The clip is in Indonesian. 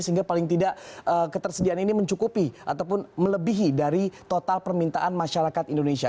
sehingga paling tidak ketersediaan ini mencukupi ataupun melebihi dari total permintaan masyarakat indonesia